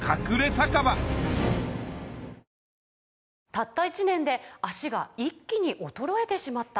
「たった１年で脚が一気に衰えてしまった」